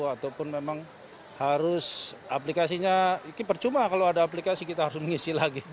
ataupun memang harus aplikasinya ini percuma kalau ada aplikasi kita harus mengisi lagi